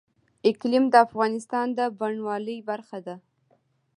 اقلیم د افغانستان د بڼوالۍ برخه ده.